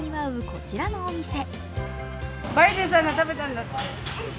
こちらのお店。